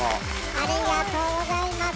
ありがとうございます。